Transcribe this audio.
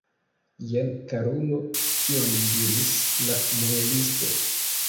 Jen, karulo, kion diris la muelisto!